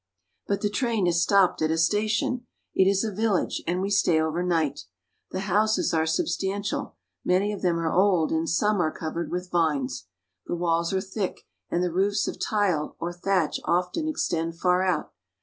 But the train has stopped at a station. It is a village, and we stay over night. The houses are substantial. Many of them are old, and some are covered with vines. The walls are thick, and the roofs of tile or thatch often extend far out.